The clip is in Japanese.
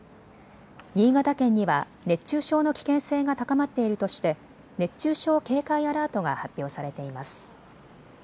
新潟県には熱中症の危険性が高まっているとして熱中症警戒アラートが発表されています。